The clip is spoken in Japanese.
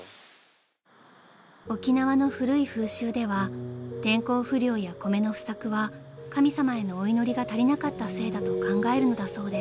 ［沖縄の古い風習では天候不良や米の不作は神様へのお祈りが足りなかったせいだと考えるのだそうです］